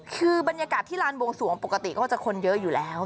คือบรรยากาศที่ลานบวงสวงปกติก็จะคนเยอะอยู่แล้ว